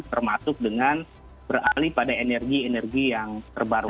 termasuk dengan beralih pada energi energi yang terbarukan